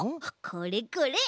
これこれ。